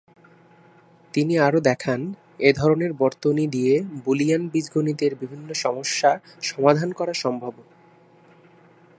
তিনি আরো দেখান, এধরনের বর্তনী দিয়ে বুলিয়ান বীজগণিতের বিভিন্ন সমস্যা সমাধান করা সম্ভব।